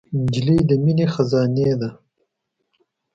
نجلۍ د مینې خزانې ده.